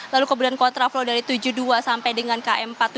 lalu kemudian kontraflow dari tujuh puluh dua sampai dengan km empat puluh tujuh